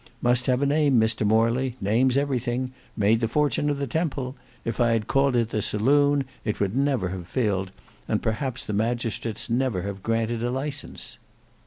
Must have a name, Mr Morley; name's everything; made the fortune of the Temple: if I had called it the Saloon, it never would have filled, and perhaps the magistrates never have granted a licence."